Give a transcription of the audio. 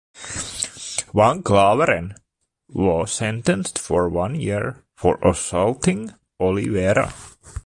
Van Klaveren was sentenced for one year for assaulting Olivera.